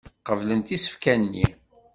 Qeblent isefka-nni.